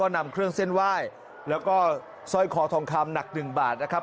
นำเครื่องเส้นว่ายและก่อนได้เลยแล้วก็ไส้คอทองคามหนักหนึ่งบาทนะครับ